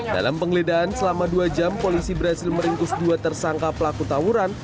dalam penggeledahan selama dua jam polisi berhasil meringkus dua tersangka pelaku tawuran